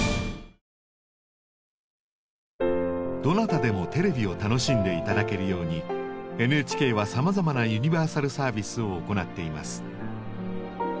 どなたでもテレビを楽しんで頂けるようにＮＨＫはさまざまなユニバーサルサービスを行っています。